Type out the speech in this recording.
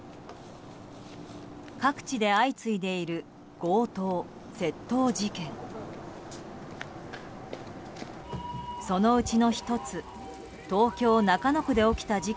各地で相次いでいる強盗・窃盗事件。